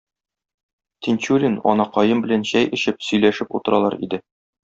Тинчурин анакаем белән чәй эчеп, сөйләшеп утыралар иде.